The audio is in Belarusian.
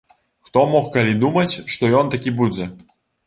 Хто мог калі думаць, што ён такі будзе?